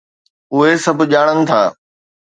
اهي سڀ ڄاڻن ٿا.